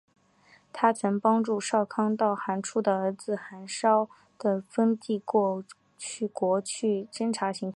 她曾帮助少康到寒浞的儿子寒浇的封地过国去侦察情况。